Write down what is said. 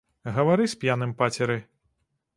Гавары з п'яным пацеры.